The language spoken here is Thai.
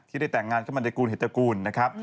ที่ได้แต่งงานเข้ามาในกรุณเหตุกรุณนะครับ